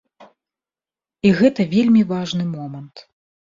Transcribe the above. І гэта вельмі важны момант.